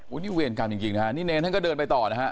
โอ้นี่เวรกรรมจริงนี่เณรก็เดินไปต่อนะฮะ